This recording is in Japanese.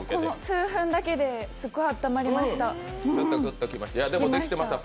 数分だけですっごいたまりました。